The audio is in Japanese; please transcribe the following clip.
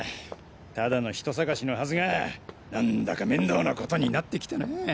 ただの人捜しのはずがなんだかメンドーなことになってきたな。